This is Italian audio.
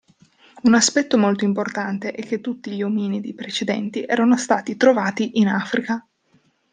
Un aspetto molto importante è che tutti gli ominidi precedenti erano stati trovati in Africa.